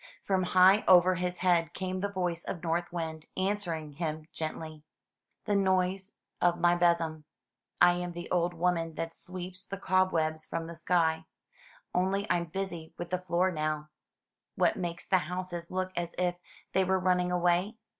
'' From high over his head came the voice of North Wind, answering him gently: "The noise of my besom. I am the old woman that sweeps the cobwebs from the sky; only I'm busy with the floor now." "What makes the houses look as if they were running away?"